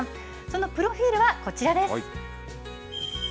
そのプロフィールはこちらです。